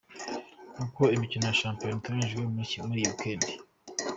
Uko Imikino ya shampiyona iteganyijwe muri iyi weekend:.